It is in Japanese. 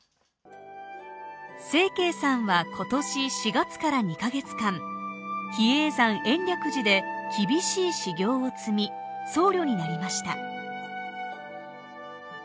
晴惠さんは今年４月から２カ月間比叡山延暦寺で厳しい修行を積み僧侶になりました。